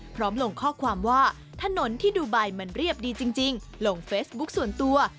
ลงข้อความว่าถนนที่ดูไบมันเรียบดีจริงลงเฟซบุ๊คส่วนตัว